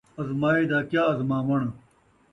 ازمائے دا کیا ازماوݨ